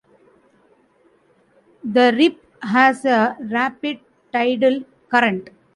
The Rip has a rapid tidal current.